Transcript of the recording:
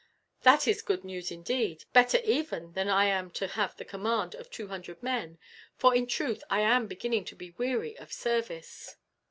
"That is good news indeed better even than that I am to have the command of two hundred men, for in truth I am beginning to be weary of service.